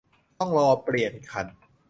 ต้องรอเปลี่ยนคัน